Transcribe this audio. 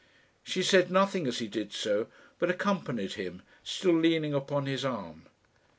She said nothing as he did so; but accompanied him, still leaning upon his arm.